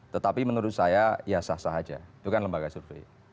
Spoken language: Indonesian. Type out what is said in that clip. tetapi menurut saya ya sah sah aja itu kan lembaga survei